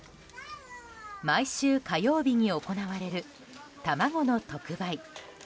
毎週火曜日に行われる卵の特売。